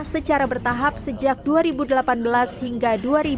secara bertahap sejak dua ribu delapan belas hingga dua ribu dua puluh